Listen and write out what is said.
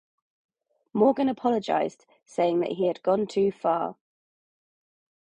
Morgan apologized, saying that he had gone too far.